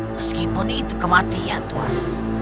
meskipun itu kematian tuan